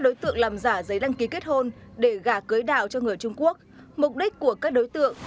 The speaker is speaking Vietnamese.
đối tượng làm giả giấy đăng ký kết hôn để gả cưới đào cho người trung quốc mục đích của các đối tượng